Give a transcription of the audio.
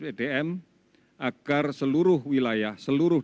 bisa ditampilkan k implikasi muslim efek frft plisten sebagai susu keinginan